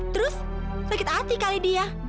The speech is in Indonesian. terus sakit hati kali dia